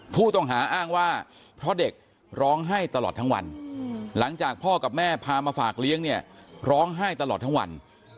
ผู้ต้องหาอ้างว่าเพราะเด็กร้องไห้ตลอดทั้งวันหลังจากพ่อกับแม่พามาฝากเลี้ยงเนี่ยร้องไห้ตลอดทั้งวัน